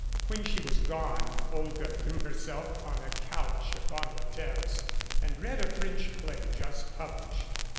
When she was gone Olga threw herself on a couch upon the terrace and read a French play just published.